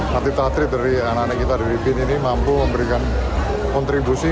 atlet atlet dari anak anak kita dari bin ini mampu memberikan kontribusi